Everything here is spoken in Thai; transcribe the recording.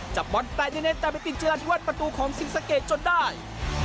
จะไปติดเจราะที่วัดประตูของซิงสะเกดจนได้